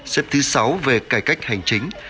xếp thứ sáu về cải cách hành chính